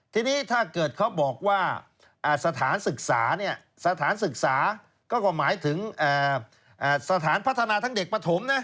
ทีนี้ถ้าเกิดเขาบอกว่าสถานศึกษาก็หมายถึงสถานพัฒนาทั้งเด็กปฐม